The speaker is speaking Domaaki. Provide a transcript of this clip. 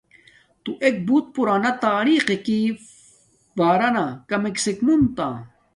تو ایک بوت پورانا تاریق ققکی بارنا کمک کسک منتا